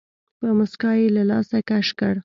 په موسکا يې له لاسه کش کړ.